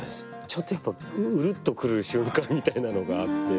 ちょっとやっぱりウルっと来る瞬間みたいなのがあって。